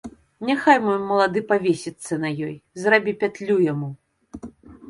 Няхай мой малады павесіцца на ёй, зрабі пятлю яму.